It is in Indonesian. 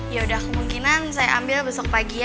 yaudah kemungkinan saya ambil besok pagi ya